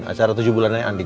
acara tujuh bulanannya andin